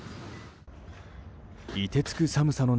凍てつく寒さの中